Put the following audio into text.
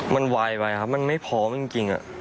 มันไหว้ไปอ่ะครับมันไม่พอจริง